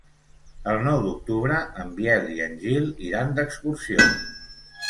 El nou d'octubre en Biel i en Gil iran d'excursió.